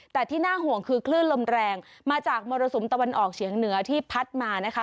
แต่ที่น่าห่วงคือคลื่นลมแรงมาจากมรสุมตะวันออกเฉียงเหนือที่พัดมานะคะ